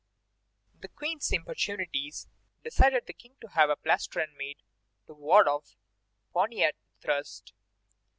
The Queen's importunities decided the King to have a plastron made, to ward off a poniard thrust.